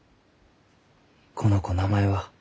この子名前は？